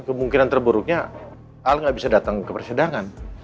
dan kemungkinan terburuknya al nggak bisa datang ke persedangan